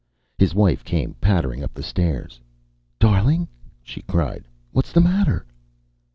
His wife came pattering up the stairs. "Darling!" she cried. "What's the matter?"